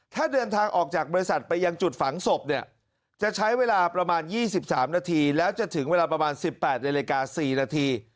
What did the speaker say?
ถ้าเดินทางออกจากบริษัทไปยังจุดฝังศพเนี่ยจะใช้เวลาประมาณ๒๓นาทีแล้วจะถึงเวลาประมาณ๑๘นาฬิกา๔นาที